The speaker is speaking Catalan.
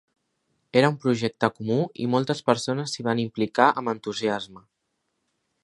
Era un projecte comú i moltes persones s'hi van implicar amb entusiasme.